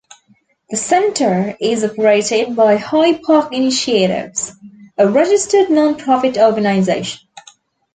The Centre is operated by High Park Initiatives, a registered non-profit organization.